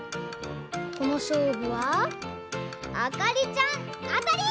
このしょうぶはあかりちゃんあたり！